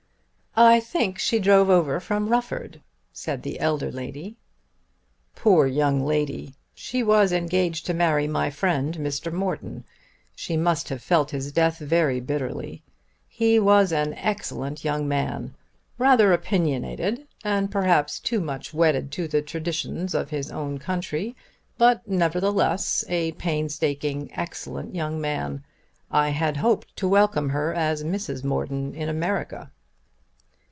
"I think she drove over from Rufford," said the elder lady. "Poor young lady! She was engaged to marry my friend, Mr. John Morton. She must have felt his death very bitterly. He was an excellent young man; rather opinionated and perhaps too much wedded to the traditions of his own country; but, nevertheless, a painstaking, excellent young man. I had hoped to welcome her as Mrs. Morton in America."